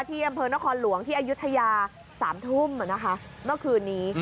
ที่อำเภอนครหลวงที่อายุทยา๓ทุ่มเมื่อคืนนี้